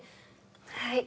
はい。